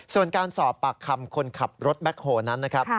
ส่วนการสอบปากคำคนขับรถแบ็คโฮลนั้นนะครับ